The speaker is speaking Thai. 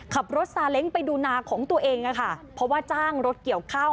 ขับรถซาเล้งไปดูนาของตัวเองอะค่ะเพราะว่าจ้างรถเกี่ยวข้าว